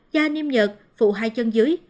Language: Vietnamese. da niêm nhật phụ hai chú